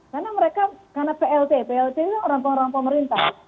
karena mereka karena plt plt ini orang orang pemerintah